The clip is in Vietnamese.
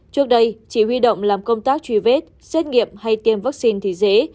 trước đây chỉ huy động làm công tác truy vết xét nghiệm hay tiêm vaccine thì dễ